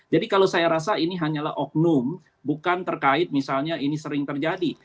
jadi kalau saya rasa ini hanyalah oknum bukan terkait misalnya ini sering terjadi